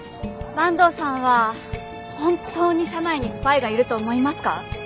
坂東さんは本当に社内にスパイがいると思いますか？